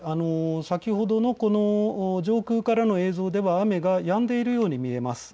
先ほどの上空からの映像では雨がやんでいるように見えます。